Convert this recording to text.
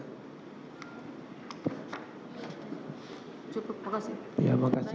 cukup makasih ya makasih